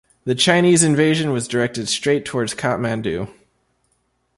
The Chinese invasion was directed straight towards Kathmandu.